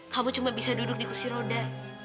kamu cuma bisa duduk di kursi roda